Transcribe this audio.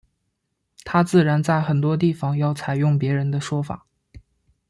他自然在很多地方要采用别人的说法。